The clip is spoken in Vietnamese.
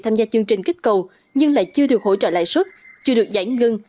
tham gia chương trình kích cầu nhưng lại chưa được hỗ trợ lãi xuất chưa được giải ngưng